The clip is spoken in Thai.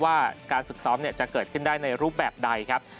ว่าการฝึกซ้อมจะเกิดขึ้นได้ในรูปแบบใดครับ